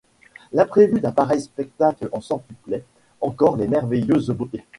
L’imprévu d’un pareil spectacle en centuplait encore les merveilleuses beautés.